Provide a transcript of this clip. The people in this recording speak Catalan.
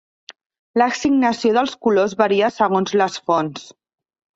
L'assignació dels colors varia segons les fonts.